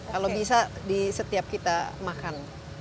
kalau bisa di setiap kita makan